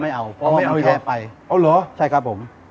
มีอาหารกินยากครับผม